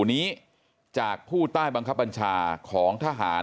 นี้จากผู้ใต้บังคับบัญชาของทหาร